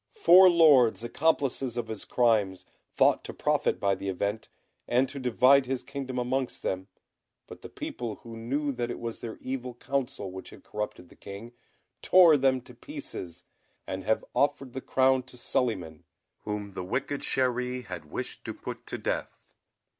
Four lords, accomplices of his crimes, thought to profit by the event, and to divide his kingdom amongst them; but the people who knew that it was their evil counsel which had corrupted the King, tore them to pieces, and have offered the crown to Suliman, whom the wicked Chéri had wished to put to death.